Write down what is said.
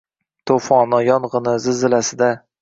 To’foni, yong’ini, zilzilasida